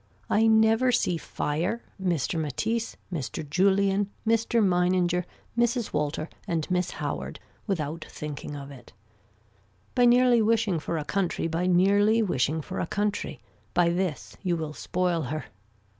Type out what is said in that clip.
I never see fire, Mr. Matisse, Mr. Julian, Mr. Meininger, Mrs. Walter and Miss Howard without thinking of it. By nearly wishing for a country by nearly wishing for a country, by this you will spoil her.